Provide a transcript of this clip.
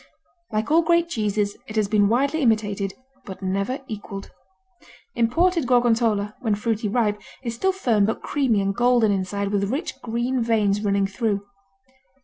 Like all great cheeses it has been widely imitated, but never equaled. Imported Gorgonzola, when fruity ripe, is still firm but creamy and golden inside with rich green veins running through.